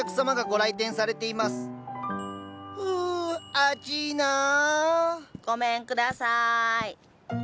ごめんください。